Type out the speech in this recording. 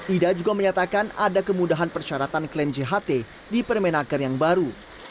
ida juga menyatakan ada kemudahan persyaratan klaim jht di permenaker yang baru